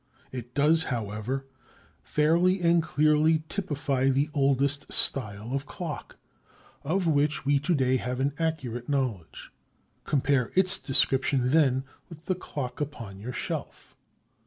It does, however, fairly and clearly typify the oldest style of clock of which we to day have any accurate knowledge. Compare its description, then, with the clock upon your shelf.